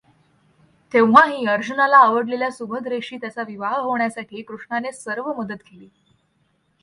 तेव्हाही अर्जुनाला आवडलेल्या सुभद्रेशी त्याचा विवाह होण्यासाठी कृष्णाने सर्व मदत केली.